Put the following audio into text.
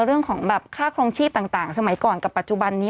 เรื่องของแบบค่าครองชีพต่างสมัยก่อนกับปัจจุบันนี้